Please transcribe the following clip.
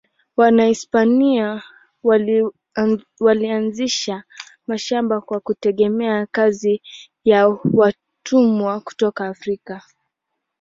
Wahispania walianzisha mashamba kwa kutegemea kazi ya watumwa kutoka Afrika.